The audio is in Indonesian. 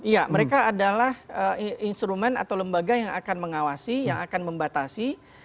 ya mereka adalah instrumen atau lembaga yang akan mengawasi yang akan membatasi